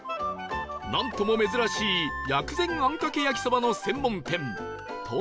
なんとも珍しい薬膳あんかけ焼そばの専門店富ちゃん